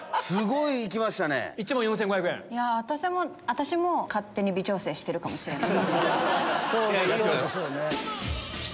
私も勝手に微調整してるかもしれない。